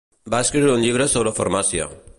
Va escriure un llibre sobre farmàcia.